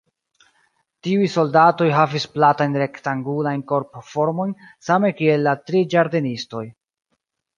Tiuj soldatoj havis platajn rektangulajn korpformojn same kiel la tri ĝardenistoj.